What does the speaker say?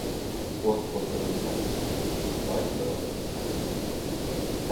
• O‘z qo‘ltig‘ing sasimaydi, doim birovniki sasiydi.